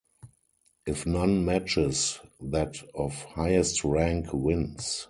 If none matches, that of highest rank wins.